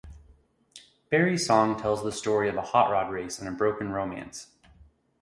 Berry's song tells the story of a hot rod race and a broken romance.